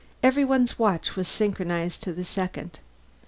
Everyone's watch was synchronized to the second.